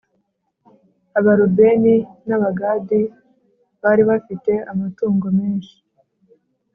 Abarubeni n Abagadi bari bafite amatungo menshi